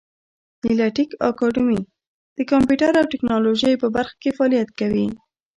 هیله ټېک انلاین اکاډمي د کامپیوټر او ټبکنالوژۍ په برخه کې فعالیت کوي.